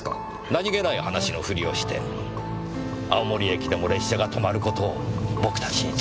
何気ない話のふりをして青森駅でも列車が停まる事を僕たちに伝えたんです。